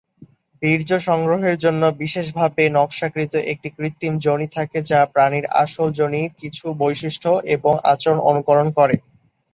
বীর্য সংগ্রহের জন্য বিশেষভাবে নকশাকৃত একটি কৃত্রিম যোনি থাকে, যা প্রাণীর আসল যোনির কিছু বৈশিষ্ট্য এবং আচরণ অনুকরণ করে।